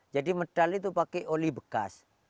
jadi medal itu pakai oli begas